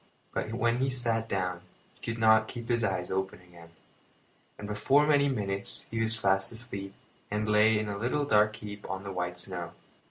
But when he sat down he could not keep his eyes open, and before many minutes he was fast asleep and lay in a little dark heap on the white snow.